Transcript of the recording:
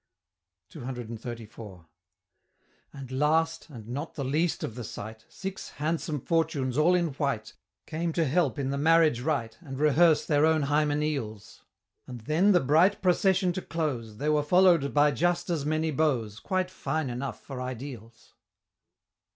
CCXXXIV. And last and not the least of the sight, Six "Handsome Fortunes," all in white, Came to help in the marriage rite, And rehearse their own hymeneals; And then the bright procession to close, They were followed by just as many Beaux Quite fine enough for Ideals.